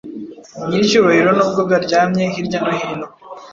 Nyiricyubahironubwo baryamye hirya no hino